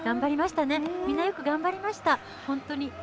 みんなよく頑張りました。